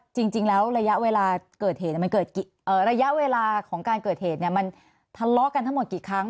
จริงแล้วระยะเวลาของการเกิดเหตุมันทะเลาะกันทั้งหมดกี่ครั้ง